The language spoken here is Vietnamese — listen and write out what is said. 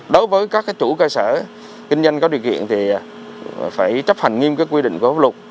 đối với các chủ cơ sở kinh doanh có điều kiện thì phải chấp hành nghiêm quyết quy định của hợp lục